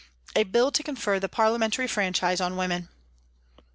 " A Bill to confer the Parliamentary Franchise on Women.